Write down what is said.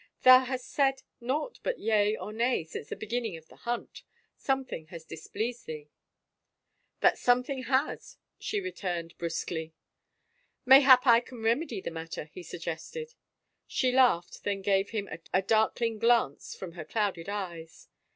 " Thou hast said naught but yea or nay since the beginning of the himt. Something has displeased thee." " That something has/' she returned bruskly. " Mayhap I can remedy the matter? " he suggested. She laughed, then gave him a darkling glance from her clouded eyes.